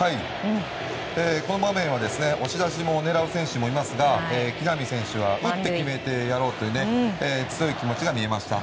この場面は押し出しを狙う選手もいますが木浪選手は打って決めてやろうという強い気持ちが見えました。